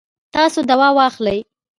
تاسو دوا واخلئ